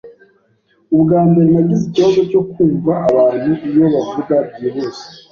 Ubwa mbere, nagize ikibazo cyo kumva abantu iyo bavuga byihuse.